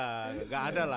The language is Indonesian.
enggak ada lah